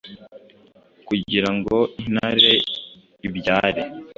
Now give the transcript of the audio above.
Kugira ngo intare ibyare,